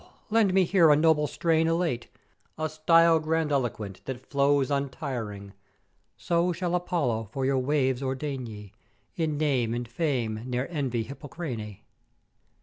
lend me here a noble strain elate, a style grandiloquent that flows untiring; so shall Apollo for your waves ordain ye in name and fame ne'er envy Hippokréné.